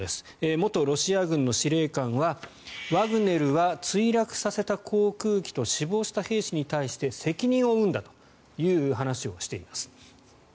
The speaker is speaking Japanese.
元ロシア軍の司令官はワグネルは墜落させた航空機と死亡した兵士に対して責任を負うんだという話をしています。